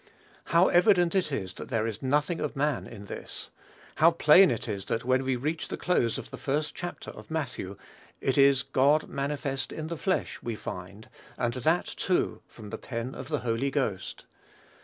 How evident it is that there is nothing of man in this! How plain it is that when we reach the close of the first chapter of Matthew, it is "God manifest in the flesh" we find, and that, too, from the pen of the Holy Ghost!